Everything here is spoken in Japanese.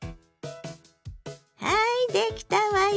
はいできたわよ。